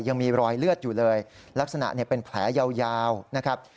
ยังมีรอยเลือดอยู่เลยลักษณะเป็นแผลยาวนะครับ